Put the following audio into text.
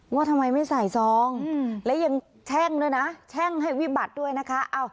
ว่าทำไมไม่ใส่ซองและยังแช่งด้วยนะแช่งให้วิบัติด้วยนะคะ